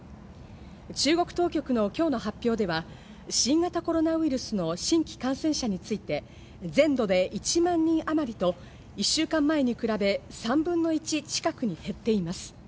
中国当局の今日の発表では、新型コロナウイルスの新規感染者について全土で１万人あまりと、１週間前に比べ、３分の１近くに減っています。